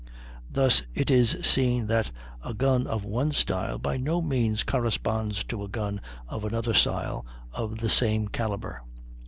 Thus it is seen that a gun of one style by no means corresponds to a gun of another style of the same calibre.